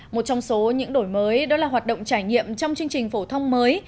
một trong số những đổi mới đó là hoạt động trải nghiệm trong chương trình phổ thông mới